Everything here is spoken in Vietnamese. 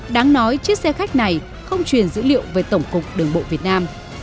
đáng nói chiếc xe khách này không truyền dữ liệu về tổng cục đường bộ việt nam